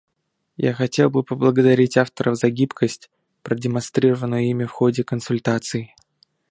Я хотел бы поблагодарить авторов за гибкость, продемонстрированную ими в ходе консультаций.